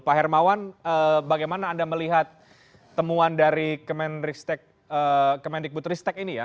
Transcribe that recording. pak hermawan bagaimana anda melihat temuan dari kemendikbud ristek ini ya